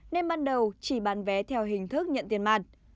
nên ban đầu chỉ bán vé theo hình thức nhận tiền mặt